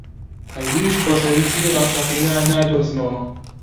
هەرگیز خۆشەویستیی ڕاستەقینە نادۆزمەوە.